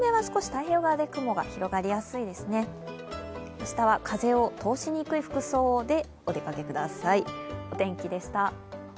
明日は風を通しにくい服装でお出かけください。